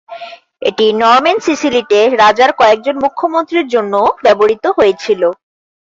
এটি নরম্যান সিসিলিতে রাজার কয়েকজন মুখ্যমন্ত্রীর জন্যও ব্যবহৃত হয়েছিল।